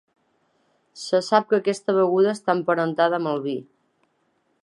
Se sap que aquesta beguda està emparentada amb el vi.